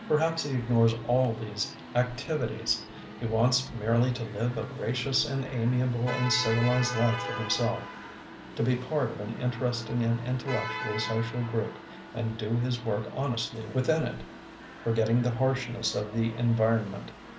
Perhaps he ignores all these activities; he wants merely to live a gracious, and amiable, and civil ized life for himself, to be part of an interesting and intellectual social group and do his work honestly within it, forgetting the harshness of the en vironment.